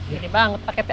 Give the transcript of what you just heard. ini sekali paketnya